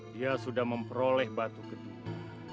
dia sudah memperoleh batu kedua